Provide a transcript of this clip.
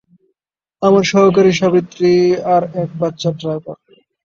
আমার সহকারী সাবিত্রী আর এক বাচ্চার ড্রাইভার।